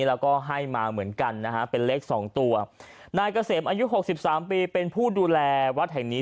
แล้วก็ให้มาเหมือนกันนะฮะเป็นเลขสองตัวนายเกษมอายุหกสิบสามปีเป็นผู้ดูแลวัดแห่งนี้